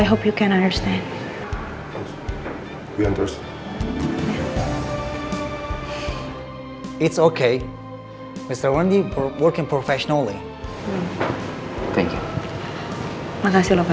oke untuk sekarang perjumpaan kita sudah selesai